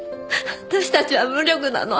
私たちは無力なの？